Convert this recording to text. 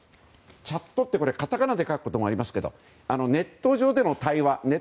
チャットってカタカナで書くこともありますがネット上での会話。